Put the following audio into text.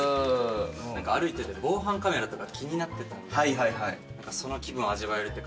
なんか歩いてて防犯カメラとか気になってたんでその気分を味わえるって。